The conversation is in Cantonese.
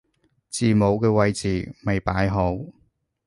字母嘅位置未擺好